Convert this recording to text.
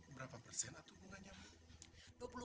berapa persen itu bunganya bu